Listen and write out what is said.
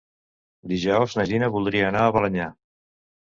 Dijous na Gina voldria anar a Balenyà.